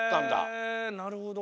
へえなるほど。